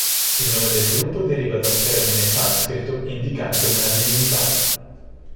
Il nome del gruppo deriva da un termine sanscrito indicante una divinità.